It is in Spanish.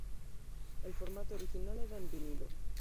El formato original era en vinilo.